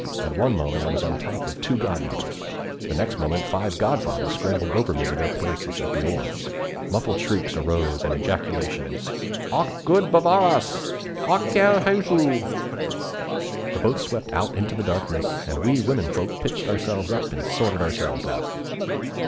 At one moment I was on top of two godmothers, the next moment five godfathers scrambled over me to their places at the oars. Muffled shrieks arose and ejaculations: 'Ak Gud bevare os!' 'Ak Herre Jesu!' The boat swept out into the darkness, and we women folk picked ourselves up and sorted ourselves out.